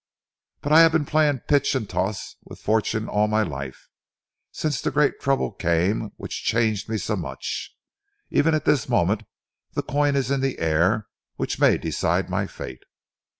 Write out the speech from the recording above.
But I have been playing pitch and toss with fortune all my life, since the great trouble came which changed me so much. Even at this moment, the coin is in the air which may decide my fate."